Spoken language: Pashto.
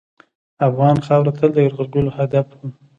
افغان خاوره تل د یرغلګرو هدف وه.